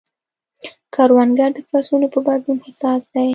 کروندګر د فصلونو په بدلون حساس دی